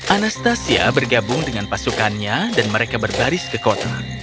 anastasia bergabung dengan pasukannya dan mereka berbaris ke kota